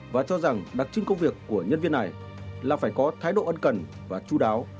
và cho rằng đặc trưng công việc của nhân viên này là phải có thái độ ân cần và chú đáo